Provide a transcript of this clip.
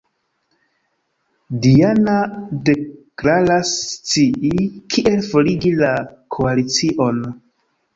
Diana deklaras scii kiel forigi la Koalicion.